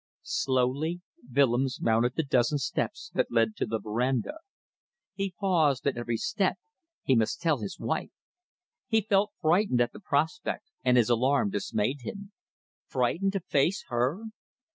Slowly, Willems mounted the dozen steps that led to the verandah. He paused at every step. He must tell his wife. He felt frightened at the prospect, and his alarm dismayed him. Frightened to face her!